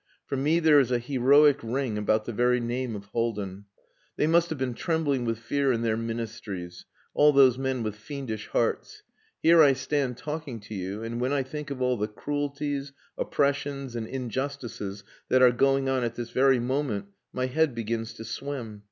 "For me there is a heroic ring about the very name of Haldin. They must have been trembling with fear in their Ministries all those men with fiendish hearts. Here I stand talking to you, and when I think of all the cruelties, oppressions, and injustices that are going on at this very moment, my head begins to swim.